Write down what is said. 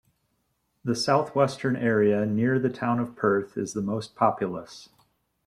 The south-western area, near the town of Perth, is the most populous.